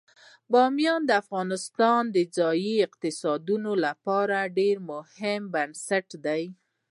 بامیان د افغانستان د ځایي اقتصادونو لپاره یو مهم بنسټ دی.